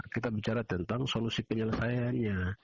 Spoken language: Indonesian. kita bicara tentang solusi penyelesaiannya